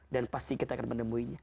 dan pasti kita akan menemuinya